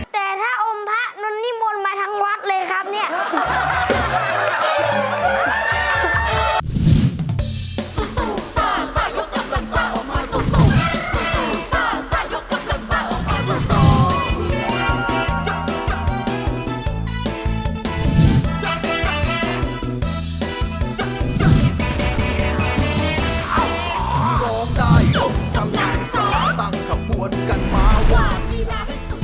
แต่ถ้าอมพระนนนิมนต์มาทั้งวัดเลยครับเนี่ย